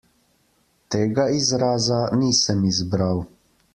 Tega izraza nisem izbral.